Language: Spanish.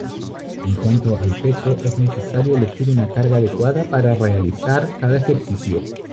En cuanto al peso, es necesario elegir una carga adecuada para realizar cada ejercicio.